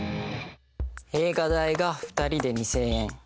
映画代が２人で２，０００円。